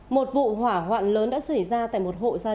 một vụ hỏa hoạn lớn đã xảy ra tại một hộ gia đình